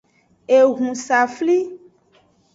Ehunsafli.